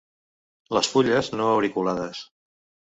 Les fulles no auriculades.